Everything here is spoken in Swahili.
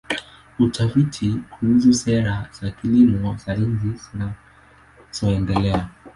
Utafiti kuhusu sera za kilimo za nchi zinazoendelea.